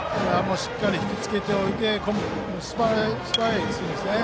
しっかり引きつけて素早いスイングですね。